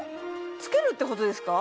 つけるってことですか？